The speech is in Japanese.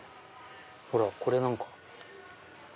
ほらこれなんか。